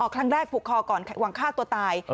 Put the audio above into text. ครั้งแรกผูกคอก่อนหวังฆ่าตัวตาย